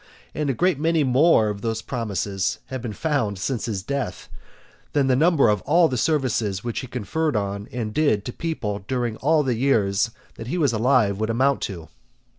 And a great many more of those promises have been found since his death, than the number of all the services which he conferred on and did to people during all the years that he was alive would amount to.